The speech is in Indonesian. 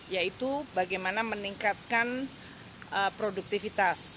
yaitu bagaimana meningkatkan produktivitas